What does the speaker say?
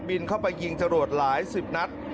บินเข้าไปยิงจรวดหลายสิบนัด